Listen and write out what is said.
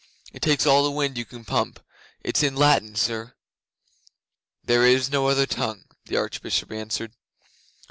It takes all the wind you can pump. It's in Latin, sir.' 'There is no other tongue,' the Archbishop answered.